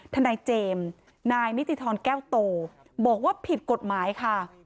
ทนายเจมส์นายนิติธรแก้วโตบอกว่าผิดกฎหมายค่ะ